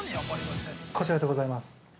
◆こちらでございます。